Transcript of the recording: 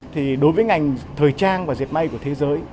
thì đối với ngành thời trang và dệt may của thế giới